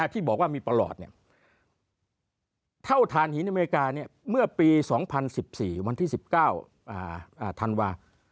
ที่บอกว่ามีประหลอดเท่าฐานหินอเมริกาเมื่อปี๒๐๑๔วันที่๑๙ธันวา